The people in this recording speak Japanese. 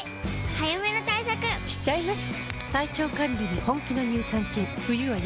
早めの対策しちゃいます。